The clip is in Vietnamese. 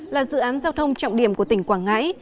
là dự án giao thông trọng điểm của tỉnh quảng ngãi